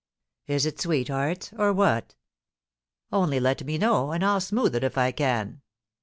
Is it sweethearts or what? Only let me know, and I'll smooth it if I can.'